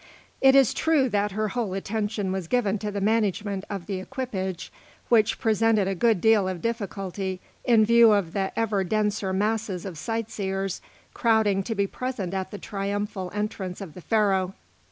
It is true that her whole attention was given to the management of the equipage, which presented a good deal of difficulty in view of the ever denser masses of sight seers crowding to be present at the triumphal entrance of the Pharaoh.